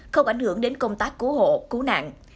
không ảnh hưởng đến công tác cứu hộ cứu nạn